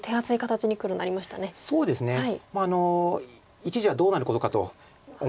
一時はどうなることかと思いましたが。